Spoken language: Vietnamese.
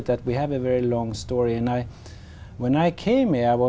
khi tôi nhìn vào những quốc gia